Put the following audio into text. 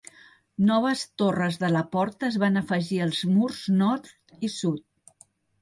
Noves torres de la porta es van afegir als murs nord i sud.